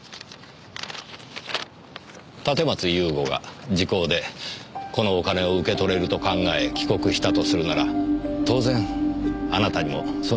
立松雄吾が時効でこのお金を受け取れると考え帰国したとするなら当然あなたにもその話をしていたはずです。